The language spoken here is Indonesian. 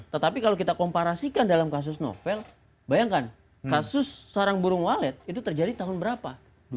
tetapi kalau kita komparasikan dalam kasus novel bayangkan kasus sarang burung walet itu terjadi tahun berapa